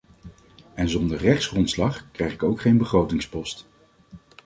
En zonder rechtsgrondslag krijg ik ook geen begrotingspost.